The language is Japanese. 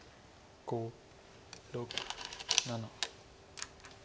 ５６７。